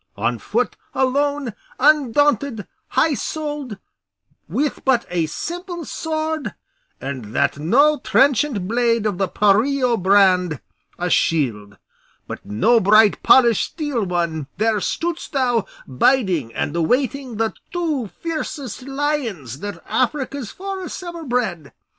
On foot, alone, undaunted, high souled, with but a simple sword, and that no trenchant blade of the Perrillo brand, a shield, but no bright polished steel one, there stoodst thou, biding and awaiting the two fiercest lions that Africa's forests ever bred!